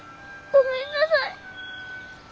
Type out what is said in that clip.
ごめんなさい。